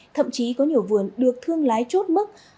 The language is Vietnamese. thậm chí có nhiều vườn được thương lái chốt mức